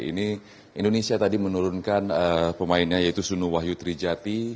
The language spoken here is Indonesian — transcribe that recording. ini indonesia tadi menurunkan pemainnya yaitu sunu wahyu trijati